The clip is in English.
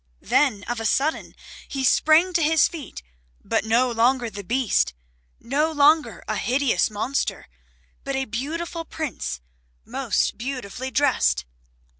Then of a sudden he sprang to his feet, but no longer the Beast, no longer a hideous monster, but a beautiful prince most beautifully dressed.